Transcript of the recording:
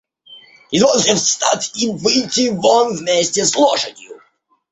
Извольте встать и выйти вон вместе с лошадью.